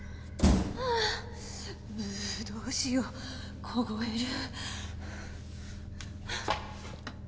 ううどうしよう凍える。